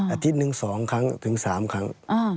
อาทิตย์หนึ่ง๒ครั้งถึง๓ครั้ง